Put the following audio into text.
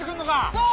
そう！